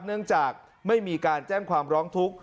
เนื่องจากไม่มีการแจ้งความร้องทุกข์